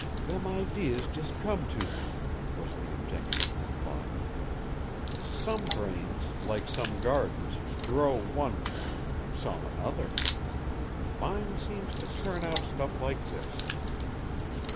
"Them idees just come to me," was the ingenuous reply. "Some brains, like some gardens, grow one thing, some another. Mine seems to turn out stuff like this."